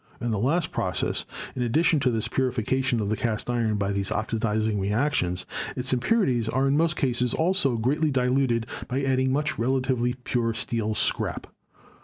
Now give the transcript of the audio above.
In this last process, in addition to this purification of the cast iron by these oxidizing reactions, its impurities are in most cases also greatly diluted by adding much relatively pure steel scrap.